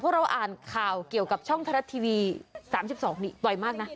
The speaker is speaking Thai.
เพราะเราอ่านข่าวเกี่ยวกับช่องไทยรัฐทีวี๓๒นี้บ่อยมากนะ